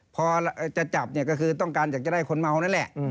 พอจะจับเนี่ยก็คือต้องการอยากจะได้คนเมานั่นแหละ